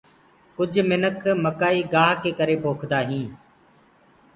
ڪُج مآڻو مڪآئي گآه ڪي ڪري پوکدآ هينٚ۔